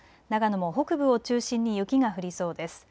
長野も北部を中心に雪が降りそうです。